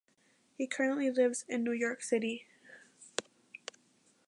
He currently lives in New York City.